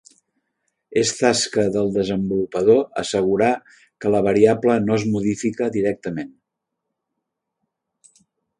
És tasca del desenvolupador assegurar que la variable no és modificada directament.